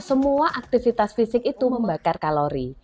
semua aktivitas fisik itu membakar kalori